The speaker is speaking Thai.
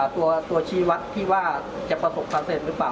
ตัวชีวัตรที่ว่าจะประสบความสำเร็จหรือเปล่า